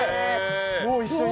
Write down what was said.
もう一緒に！